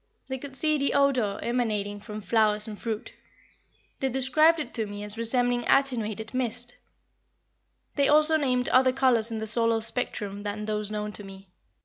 They could see the odor emanating from flowers and fruit. They described it to me as resembling attenuated mist. They also named other colors in the solar spectrum than those known to me.